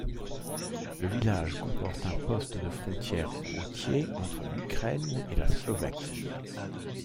Le village comporte un poste de frontière routier entre l'Ukraine et la Slovaquie.